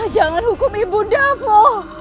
jangan hukum ibu ndapul